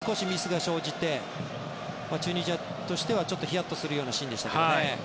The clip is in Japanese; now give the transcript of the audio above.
少しミスが生じてチュニジアとしてはヒヤッとするようなシーンでしたけどね。